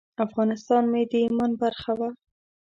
افغانستان مې د ایمان برخه وه.